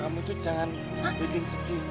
kamu itu jangan bikin sedih